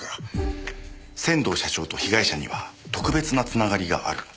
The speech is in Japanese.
仙道社長と被害者には特別な繋がりがある。